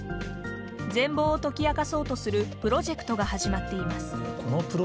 全貌を解き明かそうとするプロジェクトが始まっています。